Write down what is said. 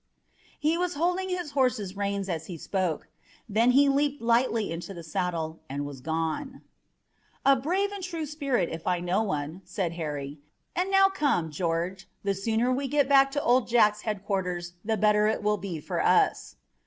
He was holding his horse's reins as he spoke. Then he leaped lightly into the saddle and was gone. "A brave and true spirit, if I know one," said Harry. "And now come, George, the sooner we get back to Old Jack's headquarters the better it will be for us."